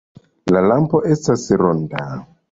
La lampo estas ronda.